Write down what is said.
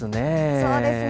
そうですね。